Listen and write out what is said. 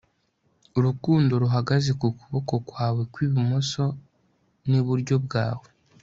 urukundo ruhagaze ku kuboko kwawe kw'ibumoso n'iburyo bwawe